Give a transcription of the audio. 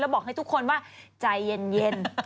บอกให้ทุกคนว่าใจเย็น